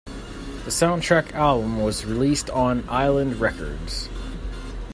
The soundtrack album was released on Island Records.